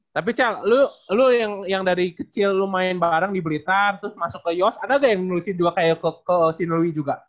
tapi cal lu yang dari kecil lu main bareng di blitar terus masuk ke yos ada nggak yang ngerusin dua kayak ke sinlui juga